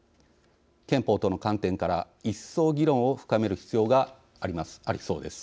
憲法との観点から一層、議論を深める必要がありそうです。